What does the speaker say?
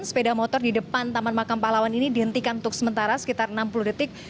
sepeda motor di depan tmp kalibata ini dihentikan untuk sementara sekitar enam puluh detik